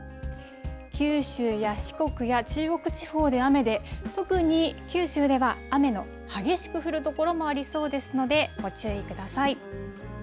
九州や四国や中国地方で雨で特に九州では雨の激しく降る所もありそうですのでご注意ください。